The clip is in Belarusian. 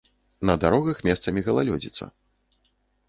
На дарогах месцамі галалёдзіца.